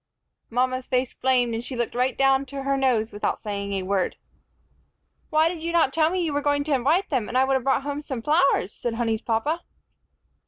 Mama's face flamed, and she looked right down to her nose without saying a word. "Why did you not tell me you were going to invite them, and I would have brought home some flowers?" said Honey's papa.